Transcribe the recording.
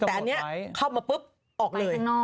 แต่อันนี้เข้ามาปุ๊บออกเลย